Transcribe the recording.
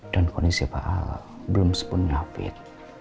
dan kondisi pak al belum sepenuhnya fit